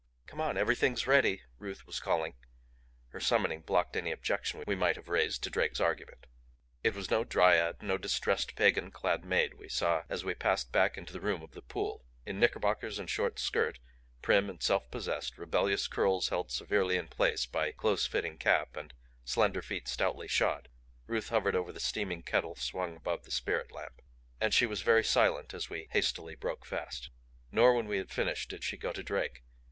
"Come on; everything's ready," Ruth was calling; her summoning blocked any objection we might have raised to Drake's argument. It was no dryad, no distressed pagan clad maid we saw as we passed back into the room of the pool. In knickerbockers and short skirt, prim and self possessed, rebellious curls held severely in place by close fitting cap and slender feet stoutly shod, Ruth hovered over the steaming kettle swung above the spirit lamp. And she was very silent as we hastily broke fast. Nor when we had finished did she go to Drake.